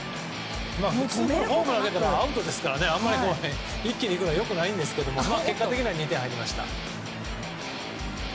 ホームでアウトですからあんまり一気に行くのは良くないんですけど結果的に２点入りました。